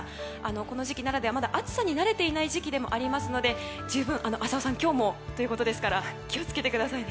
この時期ならではまだ暑さに慣れていない時期でもあるので浅尾さん、今日もということですから気を付けてくださいね。